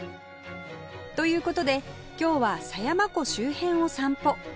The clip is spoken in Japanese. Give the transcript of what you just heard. という事で今日は狭山湖周辺を散歩